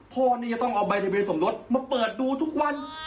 พอจะต้องเอาใบตะเบยส่งรถมาเปิดดูทุกวัน